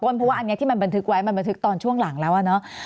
เพราะว่าอันนี้ที่มันบันทึกไว้มันบันทึกตอนช่วงหลังแล้วอะเนาะ